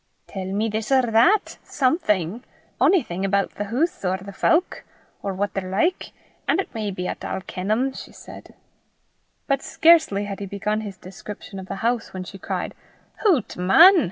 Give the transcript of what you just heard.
"Tell me this or that something onything aboot the hoose or the fowk, or what they're like, an' it may be 'at I'll ken them," she said. But scarcely had he begun his description of the house when she cried, "Hoots, man!